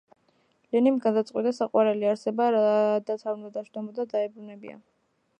ლენიმ გადაწყვიტა, საყვარელი არსება, რადაც არ უნდა დასჯდომოდა, დაებრუნებინა.